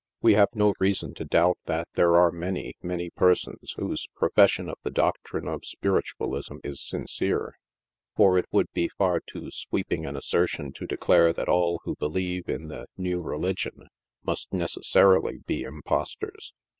We have no reason to doubt that there are many, many persons whose profession of the doctrine of Spiritualism is sincere, for it would be far too sweeping an assertion to declare that all who believe in the " new religion" must necessa rily be impostors.